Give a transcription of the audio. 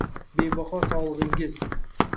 bebaho sog’ligingiz